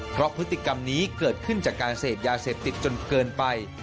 เพราะพฤติกรรมนี้เกิดขึ้นจากการเสพยาเสพติดจนเกินไป